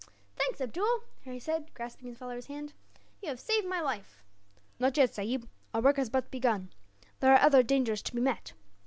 "Thanks, Abdool," Harry said, grasping his follower's hand, "you have saved my life!" "Not yet, sahib. Our work has but begun. There are other dangers to be met.